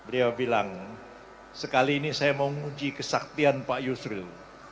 dia bilang sekali ini saya mau menguji kesaktian pak yusuf